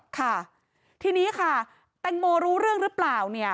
ค่ะทีนี้ค่ะแตงโมรู้เรื่องหรือเปล่าเนี่ย